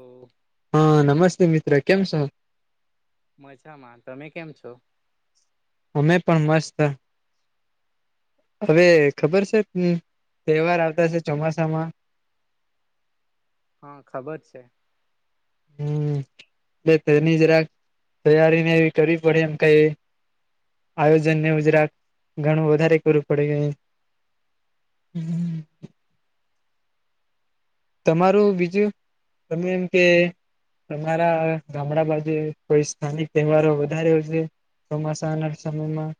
તો હ નમસ્તે મિત્ર કેમ છો? મજામાં તમે કેમ છો. અમે પણ મસ્ત હવે ખબર છે તહેવાર આવતા છે ચોમાસામાં હા ખબર છે. હમ એ તેની જરાક [inaudible] તૈયારીને એવી કરવી પડે એમ કઈ આયોજન ને એવું [inaudible] જરાક ઘણું વધારે કરવુ પડે હ [unintelligible] તમારું બીજું [inaudible] તમે એમ કે તમારા ગામડા બાજુ કોઈ સ્થાનિક તહેવારો વધારે ઉજવે ચોમાસાના સમયમાં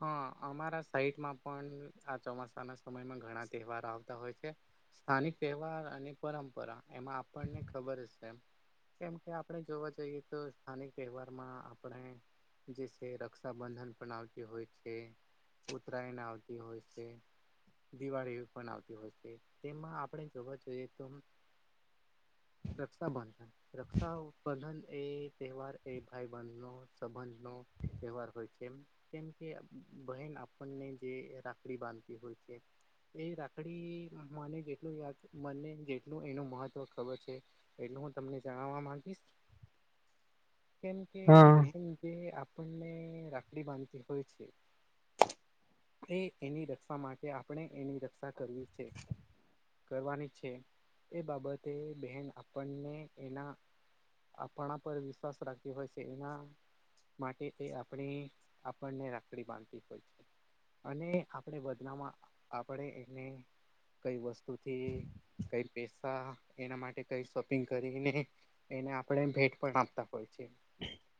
હા અમારા સાઈટમાં પણ આ ચોમાસાના સમયમાં ઘણા તહેવારો આવતા હોય છે. સ્થાનિક તહેવાર અને પરંપરા એમાં આપણને ખબર જ છે એમ કેમ કે આપણે જોવા જઈએ તો સ્થાનિક તહેવારમાં આપણે જે સે રક્ષાબંધન પણ આવ હોય છે ઉતરાયણ આવતી હોય છે. દિવાળી પણ આવતી હો છે તેમાં આપણે જોવા જોઈએ તો [inaudible] રક્ષાબંધન રક્ષાબંધન એ તહેવાર એ ભાઈબહેનનો સંબંધ નો તહેવાર હોય છે તેમ કેમ કે બહેન આપણને જે રાખડી બાંધતી હોય છે. એ રાખડી મને જેટલું યાદ મને જેટલુ એનું મહત્વ ખબર છે. એટલું હું તમને જણાવવા માંગીશ. [inaudible] કેમ કે હા બહેન જે આપણને રાખડી બાંધતી ધી હોય છે [inaudible] એ એની રક્ષા માટે આપણે એની રક્ષા કરવી છેે. [inaudible] કરવાની છે એ બાબતે બહેન આપણને એના આપણા પર વિશ્વાસ રાખતી હોય છે. [inaudible] એના માટે એ આપણી આપણને રાખડી બાંધતી હોય છે. અને આપણે બદનામાં આપણે એને કઈ વસ્તુથી કઈ પેસા એના માટે કઈ શોપિંગ કરીને એને આપણે ભેટ પણ આપતા હોય છે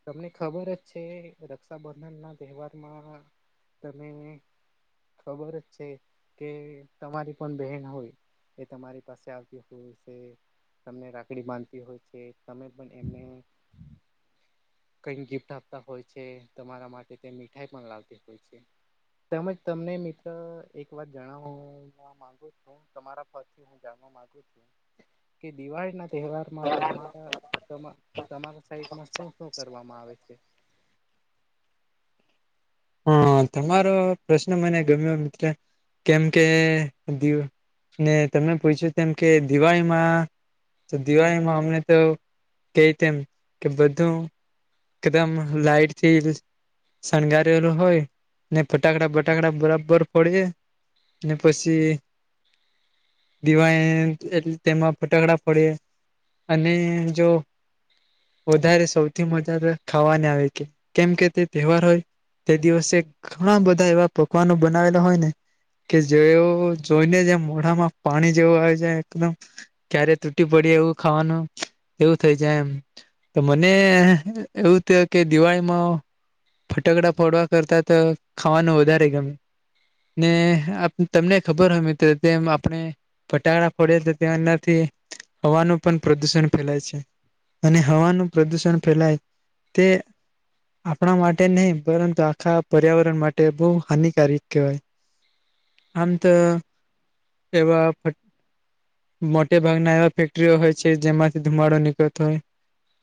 તમને ખબર જ છે રક્ષાબન- ધનના તહેવારમાં તમે [inaudible] ને ખબર જ છે કે તમારી પણ બહેન હોય. એ તમારી પાસે આવતી હોય છે. [inaudible] તમને રાખડી બાંધતી હોય છે. તમે પણ એમને [inaudible] કઈક ગિફ્ટ આપતા હોય છે. તમારા માટે તે મીઠાઈ પણ લાવતી હોય છે. તેમજ તમને મિત્ર એક વાત જણાવવા માંગો છું. તમારા પરથી હું જાણવા માંગુ છું [inaudible] કે દિવાળીના તહેવારમાં તમારા તમા તમારા સાઈડ [unintelligible] કરવામાં આવે છે? અ તમારો પ્રશ્ન મને ગમ્યો મિત્ર. કેમ કે દીવ ને તમે પૂછ્યું કેમ કે દિવાળીમાં તો દિવાળીમાં અમને તો કેય તેમ કે બધું એકદમ લાઈટથી શણગાર રેલું હોય ને ફટાકડાં-બટાકડાં બરાબર ફોળીએ ને પસી દિવાળી એટલે તેમાં ફટાકડાં ફોળીએ અને જો વધારે સૌ થી મજા તો ખાવાની આવે કે, કેમ કે તે તેહવાર હોય. તે દિવસે ઘણા બધા એવા પકવાનો બનાવેલા હોય ને કે જોયુ જોઈને જ એમ મોઢામાં પાણી જેવું આવી જાય એકદમ. ક્યારે તૂટી પડી એવું ખાવાનું એવું થઇ જાય એમ. તો મને એવું થયુ કે દિવાળીમાં ટકડાં ફોડવા કરતા તો ખાવાનું વધારે ગમે ને આપ તમને ખબર હોય મિત્ર તેમ આપણે ફટાકડાં ફોડ્યે તો ત્યાં નથી હવાનું પણ પ્રદુષણ ફેલાય છે. અને હવાનું પ્રદુષણ ફેલાય તે આપણા માટે નઈ પરંતુ આખા પર્યાવરણ માટે બોવ હાનિકારીક કેવાય. આમ તો એવા ફટ મોટે ભાગના એવા ફેક્ટરીઓ હોય છે, જેમાંથી ધુમાળો નીકળતો હોય.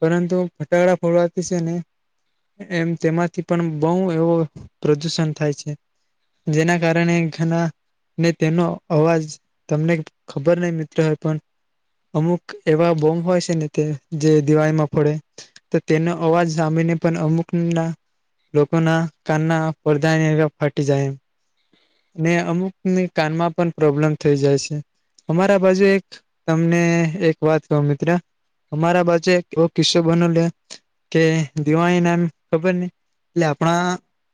પરંતુ ફટાકડાં ફોળવાતી છે ને એમ તેમાંથી પણ બોઉ એવો પ્રદુષણ થાય છે, જેના કારણે ઘણા ને તેનો અવાજ તમને ખબર નઈ મિત્ર પણ અમુક એવા બોમ્બ હોય છે ને તે, જે દિવાળીમાં ફોળે તો તેનો અવાજ સામીને પણ અમુકના લોકોના કાનના પડદા એવા ફાટી જાય એમ, ને અમુક ને કાનમાં પણ પ્રોબ્લેમ થઈ જાય છે. અરા બાજુ એક તમને એક વાત કઉ મિત્ર અમારા બાજુ એક એવો કિસ્સો બનેલો કે દિવાળીના એમ ખબરની એટલે આપણા,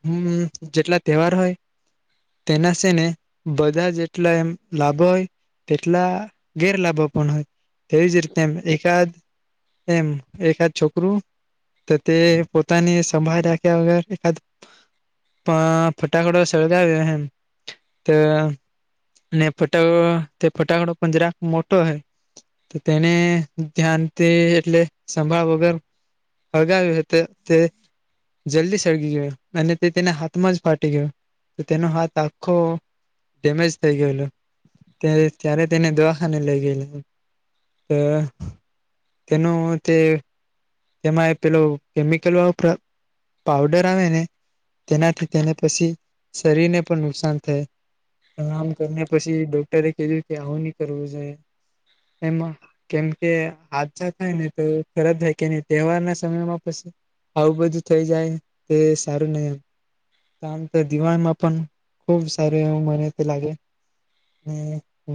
હુમ્મ, જેટલા તેવાર હોય તેના શે ને બધા જેટલા એમ લાભો હોય તેટલા ગેરલાભો પણ હોય, તેવી જ રીતે એમ એકાદ એમ એકાદ છોકરું તો તે પોતાની સંભાળ રાખ કે અવે એકાદ પ ફટાકડો સળગાવ્યો અહે એમ. તો ને ફટાકડો, તે ફટાકડો પણ જરાક મોટો અહે. તો તેણે ધ્યાન તે એટલે સંભાળ વગર હળગાવ્યુ અહે તો તે જલ્દી સળગી ગીયો અને તે તેના હાથમાં જ ફાટી ગીયો તો તેનો હાથ આખ્ખો ડેમેજ થઈ ગયલો ત્યાર ત્યારે તેને દવા ખાને લઈ ગેલા, તો તેનું તે તેમાં એક પેલો કેમિકલ વપ્ર પાવડર આવે ને તેનાથી તેને પછી શરીરને પણ નુકસાન થાય. આમ કરને પછી ડોક્ટરે કીધું કે આવું ની કરવું જોઈએ. એમાં કેમ કે આછા થાય ને તો ખરાબ થાઈ કે ની તેહવારના સમયમાં પછી આવું બધું થઈ જાય તે સારું નહી. કામ તો દિવાળમાં પણ ખૂબ સારું એવું મને તો લાગે. ને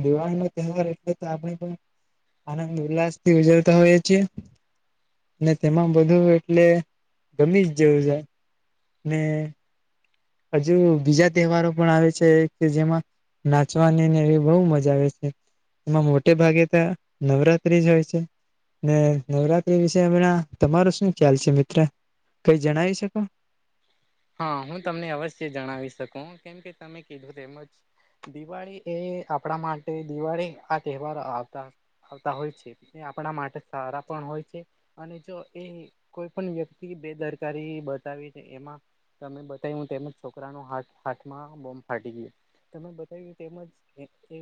દિવાળીનો તેહવાર એટલે તો આપણે પણ આનંદ ઉલ્લાસ થી [unintelligible] છીએ. ને તેમાં બધું એટલે ગમી જ જેવું છેય. અને હજુ બીજા તહેવારો પણ આવે છે કે જેમાં નાચવાની ને એવી બહુ મજા આવે છે. એમાં મોટે ભાગે ત્યા નવરાત્રી જ હોય છે. ને નવરાત્રી વિશે હમણાં તમારો શું ખ્યાલ છે મિત્ર, કઈ જણાવી શકો? હા હું તમને અવશ્ય જણાવી શકું કેમ કે તમે કીધું તેમજ દિવાળી એ આપણા માટે દિવાળી આ તહેવાર આવતા. આવતા હોય છે તે આપણા માટે સારા પણ હોય છે. અને જો એ કોઈ પણ વ્યક્તિ બેદરકારી બતાવી છે એમાં તમે બતાય હું તેમજ છોકરાનો હાથમાં બોમ્બ ફાટી ગયો. તમે બતાવ્યું તેમજ એ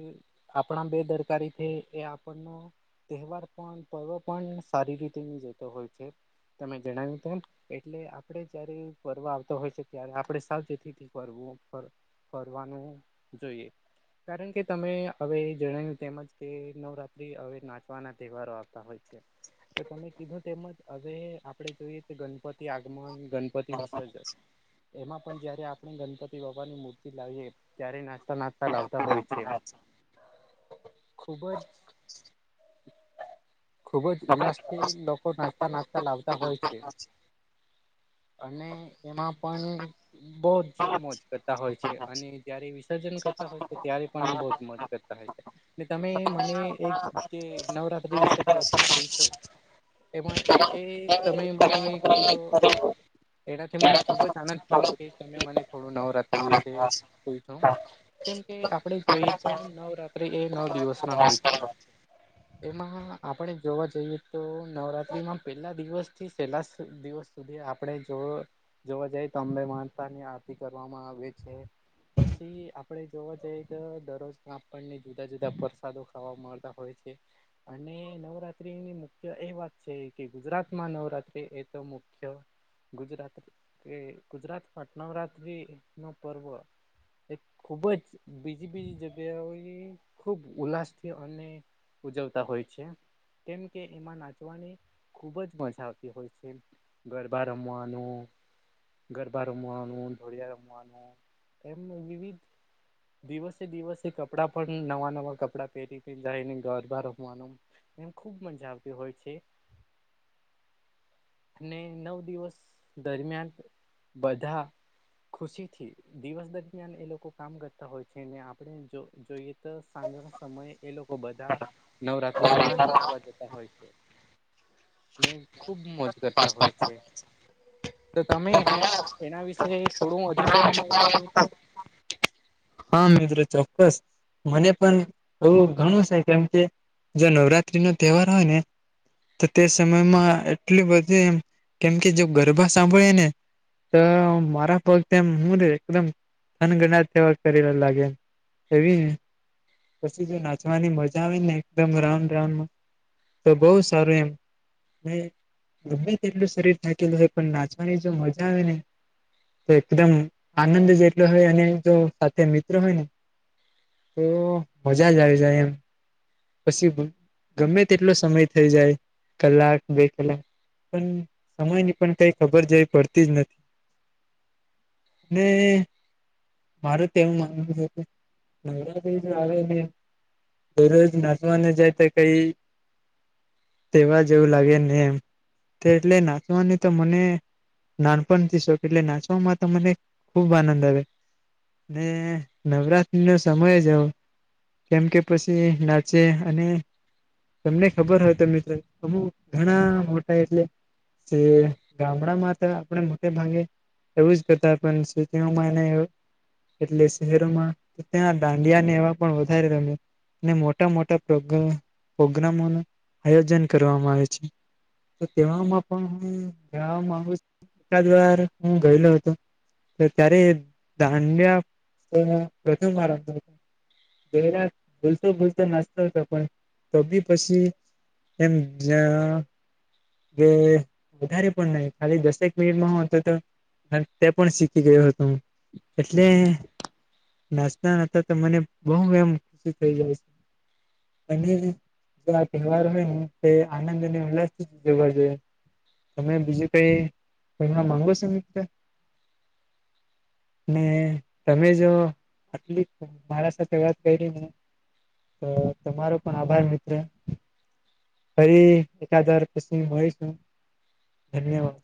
આપણા બેદરકારી છે એ આપણનો તહેવાર પણ પર્વ પણ સારી રીતે ની જતો હોય છે. તમે જણાવ્યું તો એટલે આપણે જયારે પર્વા હોય છે ત્યારે આપણે સાવચેતીથી કરવું ફરવાનું જોઈએ. કારણ કે તમે હવે, જણાવ્યું તેમજ કે નવરાત્રી હવે નાચવાના તહેવારો આવતા હોય છે. તો તમે કીધું તેમજ. હવે, આપણે જોઈએ તો ગણપતિ આગમન, ગણપતિ વિસર્જન એમાં પણ જયારે આપણે ગણપતિ બાપાની મૂર્તિ લાવીએ, ત્યારે નાચતા નાચતા લાવતા હોય છે. ખુબ જ ખૂબ જ ઉલ્લાસથી લોકો નાચતા નાચતા લાવતા હોય છે. અને એમાં પણ બહુ જ મોજ કરતા હોય છે અને જ્યારે વિસર્જન કરતા હોય છે, ત્યારે પણ બહુ જ મોજ કર તમે મને એક જે નવરાત્રી વિશે પ્રશ્ન પૂછો? એમાં એ તમે મને કીધો એનાથી મને ખુબ જ આનંદ થયો કે તમે મને થોડું નવરાત્રી વિશે પૂલ છો. કેમ કે આપણે જોઈએ, તો નવરાત્રિ એ નવ દિવસના હોય છે. એમાં આપણે જોવા જઈએ, તો નવરાત્રિમાં પહેલા દિવસથી છેહેલા દિવસ સુધી આપણે જો જોવા જઈતો, અંબે માતાની આરતી કરવામાં આવે છે. પછી આપણે જોવા જઈએ તો, દરરોજ આપણને જુદા જુદા પ્રસાદો ખાવા મળતા હોય છે. અને નવરાત્રીની મુખ્ય એ વાત છે કે, ગુજરાતમાં નવરાત્રી એ તો મુખ્ય ગુજરાત કે ગુજરાતમાં નવરાત્રી નો પર્વ એ ખૂબ જ બીજી બીજી જગ્યાઓની ખૂબ ઉલ્લાસ થયો અને ઉજવતા હોય છે. કેમ કે એમાં નાચવાની ખુબ જ મજા આવતી હોય છે. ગરબા રમવાનું ગરબા રમવાનું, ઢોળિયા રમવાનું એને વિવિધ દિવસે દિવસે કપડાં પણ નવા નવા કપડાં પહેરી જાયને, ગરબા રમવાનું એમ ખુબ મજા આવતી હોય છે. ને નવ દિવસ દરમિયાન બધા ખુશીથી દિવસ દરમિયાન એ લોકો કામ કરતા હોય છે અને ને આપણે જો જોઈએ તો, સાંજના સમયે એ લોકો બધા નવરાત્ જતા હોય છે અને ખુબ મોજ કરતા હોય છે. તો તમે એના વિશે થોડું હજુ કહેવા માંગતા હો કે હા, મિત્રો ચોક્કસ. મને પણ એવું ઘણું છે. કેમ કે જો નવરાત્રીનો તહેવાર આવેને તો તે સમયમાં એટલી બધી એમ કેમ કે જો ગરબા સાંભળે ને તો મારા પગ તેમ હું એકદમ થનગાણાટ જેવા કરેલા લાગે એમ. એવી પછી જો નાચવાની મજા આવેને એકદમ રાઉન્ડ રાઉન્ડમાં તો બહુ સારું એમ. ને ગમે તે તેટલું શરીર થાકેલું હોય, પણ નાચવાની જો મજા આવે ને તો એકદમ આનંદ જેટલો હોય અને જો સાથે મિત્ર હોયને તો મજા જ આવી જાય એમ. પછી ગમે તેટલો સમય થઈ જાય. કલાક, બે કલાક પણ સમયની પણ કઈ ખબર જેવી પડતી જ નથી. અને મારું તેવું માનવું છે [unintelligible] નવરાત્રી જો આવે તે [inaudible] નાચવાને જે તે કઈ તહેવાર જેવું લાગેને એમ. કે એટલે નાચવાની તો મને નાનપણથી શોક એટલે નાચવામાં મને ખૂબ આનંદ આવે. ને નવરાત્રીનો સમય જ એવો કેમ કે પછી ના છે અને તમને ખબર હોય તો મિત્રો અમુક ઘણા મોટા એટલે જે ગામડામાં તો આપણે મોટે ભાંગે એવું જ કરતા પણ સે તેઓ માને [unintelligible] એવું એટલે શહેરોમાં ત્યાં દાંડિયાને એવા પણ વધારે રમે ને મો મોટા મોટા પ્રગ પ્રોગ્રામો નું આયોજન કરવામાં આવે છે. તો તેવામાં પણ હું જણાવા માગું છું [unintelligible] એકાદ વાર હું ગયેલો હતો તો ત્યારે દાંડિયા [unintelligible] [inaudible] નાચતો હતો પણ તો બી પસી એમ જ્યા કે વધારે પણ નય ખાલી દસેક મિનિટમાં હો તો તો તે પણ શીખી ગયો હતો એટલે નાચતા નાચતા તો મને બહુ એમ ખુશી થઇ જાય છે. અને જો આ તહેવાર હોય તે આનંદ અને ઉલ્લાસ રેવા જોઈએ તમે બીજું કઈ કેહવા માંગો છો મિત્ર? [inaudible] ને તમે જો આટલી મારા સાથે વાત કયરીને તો તમારો પણ આભાર મિત્ર ફરી એકાદ વાર પછી મળીશું ધન્યવાદ